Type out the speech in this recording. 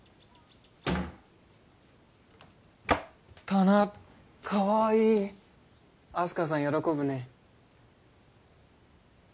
棚かわいいあす花さん喜ぶね